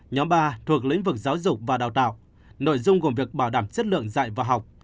nhóm ba thuộc lĩnh vực giáo dục và đào tạo nội dung gồm việc bảo đảm chất lượng dạy và học